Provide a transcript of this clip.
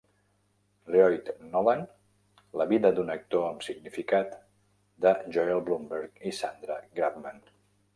"Lloyd Nolan: La vida d'un actor amb significat," de Joel Blumberg i Sandra Grabman.